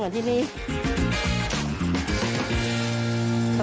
สวัสดีค่า